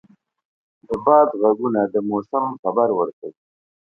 د باد ږغونه د موسم خبر ورکوي.